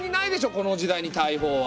この時代に大砲は。